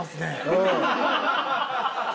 うん。